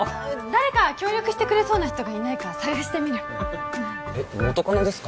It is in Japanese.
誰か協力してくれそうな人がいないか探してみる